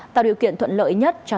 tạo điều kiện thuận lợi nhất cho thí sinh